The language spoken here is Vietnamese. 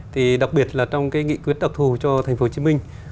thì đặc biệt là trong cái nghị quyết đặc thù cho thành phố hồ chí minh